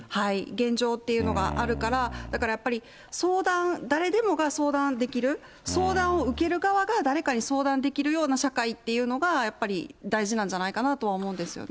現状っていうのがあるから、だからやっぱり相談、誰でもが相談できる、相談を受ける側が、誰かに相談できるような社会っていうのが、やっぱり大事なんじゃないかなと思うんですよね。